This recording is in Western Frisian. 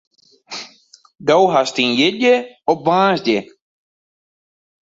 Do hast dyn jierdei op woansdei.